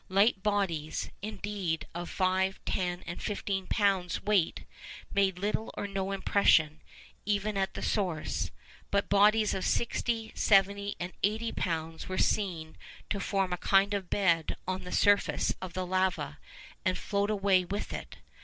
Light bodies, indeed, of five, ten, and fifteen pounds' weight, made little or no impression, even at the source; but bodies of sixty, seventy, and eighty pounds were seen to form a kind of bed on the surface of the lava, and float away with it.